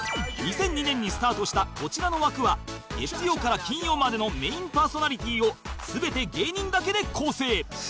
２００２年にスタートしたこちらの枠は月曜から金曜までのメインパーソナリティーを全て芸人だけで構成